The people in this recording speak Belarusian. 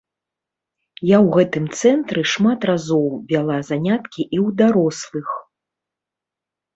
Я ў гэтым цэнтры шмат разоў вяла заняткі і ў дарослых.